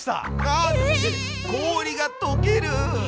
あっ氷がとける。